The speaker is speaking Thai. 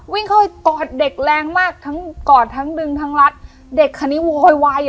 วิ่งเข้าไปกอดเด็กแรงมากทั้งกอดทั้งดึงทั้งรัดเด็กคันนี้โวยวายอ่ะ